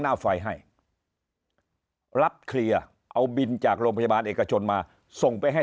หน้าไฟให้รับเคลียร์เอาบินจากโรงพยาบาลเอกชนมาส่งไปให้